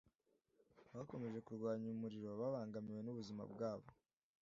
bakomeje kurwanya umuriro babangamiwe n'ubuzima bwabo